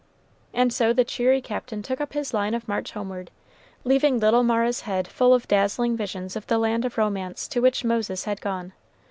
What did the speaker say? And so the cheery Captain took up his line of march homeward, leaving little Mara's head full of dazzling visions of the land of romance to which Moses had gone.